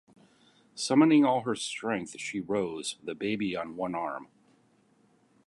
Summoning all her strength she rose, the baby on one arm.